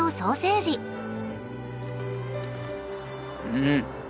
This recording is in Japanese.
うん。